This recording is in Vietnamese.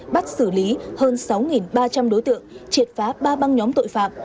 bắt xử lý hơn sáu ba trăm linh đối tượng triệt phá ba băng nhóm tội phạm